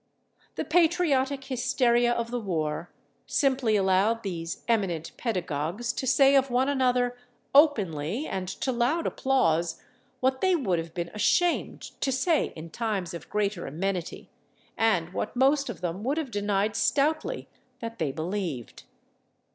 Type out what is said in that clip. The patriotic hysteria of the war simply allowed these eminent pedagogues to say of one another openly and to loud applause what they would have been ashamed to say in times of greater amenity, and what most of them would have denied stoutly that they believed.